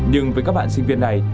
nhưng với các bạn sinh viên này